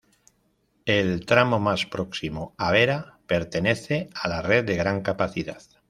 El tramo más próximo a Vera pertenece a la red de gran capacidad.